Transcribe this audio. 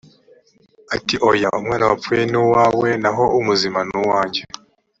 ati oya umwana wapfuye ni uwawe naho umuzima ni uwanjye